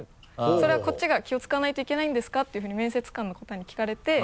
「それはこっちが気を使わないといけないんですか？」っていうふうに面接官の方に聞かれて。